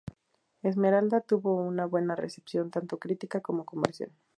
Esmeralda tuvo una buena recepción tanto crítica como comercial.